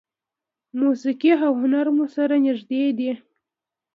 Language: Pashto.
موسیقي او هنر مو سره نږدې دي.